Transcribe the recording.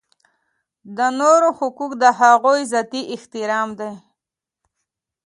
د نورو حقوق د هغوی ذاتي احترام دی.